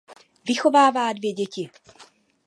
Vychovává dvě děti.